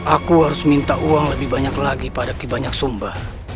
aku harus minta uang lebih banyak lagi pada kibanyak sumba